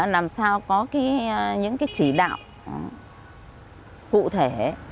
làm sao có những cái chỉ đạo cụ thể